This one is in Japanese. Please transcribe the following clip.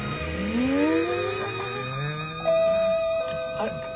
・あれ。